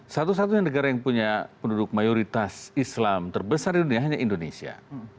satu satunya negara yang punya penduduk mayoritas islam terbesar di dunia hanya indonesia